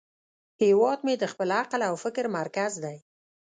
هیواد مې د خپل عقل او فکر مرکز دی